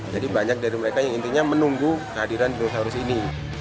jadi banyak dari mereka yang intinya menunggu kehadiran dinosaurus ini